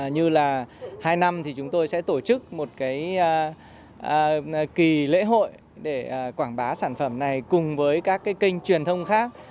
như là hai năm thì chúng tôi sẽ tổ chức một kỳ lễ hội để quảng bá sản phẩm này cùng với các kênh truyền thông khác